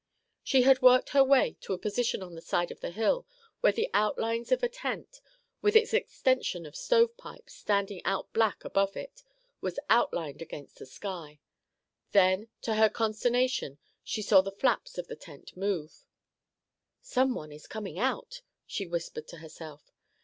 She had worked her way to a position on the side of the hill where the outlines of a tent, with its extension of stovepipe standing out black above it, was outlined against the sky. Then, to her consternation, she saw the flaps of the tent move. "Someone is coming out," she whispered to herself.